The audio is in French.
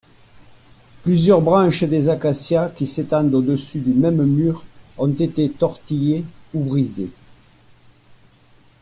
Plusieurs branches des acacias qui s'étendent au-dessus du même mur ont été tortillées ou brisées.